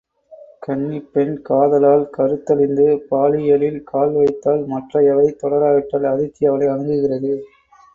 கன்னிப் பெண் காதலால் கருத்தழிந்து பாலியலில் கால் வைத்தால் மற்றையவை தொடராவிட்டால் அதிர்ச்சி அவளை அணுகுகிறது.